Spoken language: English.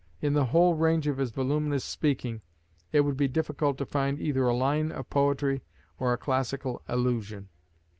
In the whole range of his voluminous speaking, it would be difficult to find either a line of poetry or a classical allusion.